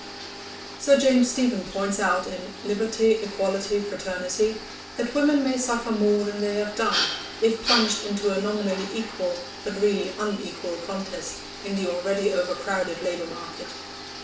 Sir James Stephen points out in Liberty, Equality, Fraternity, that women may suffer more than they have done, if plunged into a nominally equal but really unequal contest in the already overcrowded labour market.